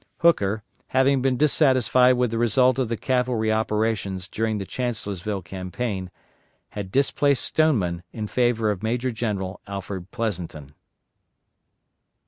Hooker, having been dissatisfied with the result of the cavalry operations during the Chancellorsville campaign, had displaced Stoneman in favor of Major General Alfred Pleasonton.